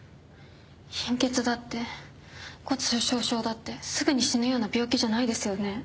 貧血だって骨粗しょう症だってすぐに死ぬような病気じゃないですよね？